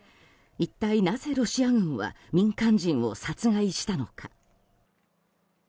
一体なぜロシア軍は民間人を殺害したのか。